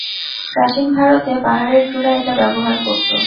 প্রাচীন ভারতে, পাহাড়ের চূড়ায় এটা ব্যবহার করত।